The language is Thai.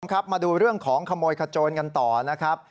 ครับมาดูเรื่องของขโมยขโจรกันต่อนะครับ